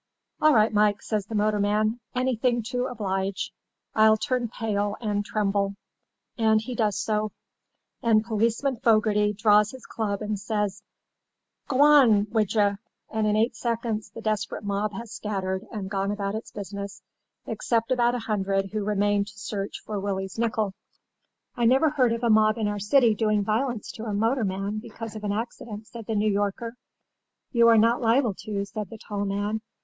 "'All right, Mike,' says the motorman, 'anything to oblige. I'll turn pale and tremble.' "And he does so; and Policeman Fogarty draws his club and says, 'G'wan wid yez!' and in eight seconds the desperate mob has scattered and gone about its business, except about a hundred who remain to search for Willie's nickel." "I never heard of a mob in our city doing violence to a motorman because of an accident," said the New Yorker. "You are not liable to," said the tall man.